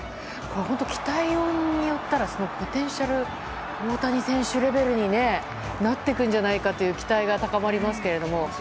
本当、鍛えようによったらポテンシャル、大谷選手レベルになってくるんじゃないかという期待が高まりますけれども。